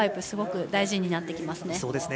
すごく大事になってきますね。